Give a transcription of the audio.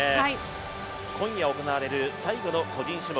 今夜行われる最後の個人種目。